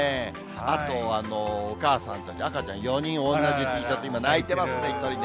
あと、お母さんたち、赤ちゃん４人、おんなじＴシャツ、今、泣いてますね、１人ね。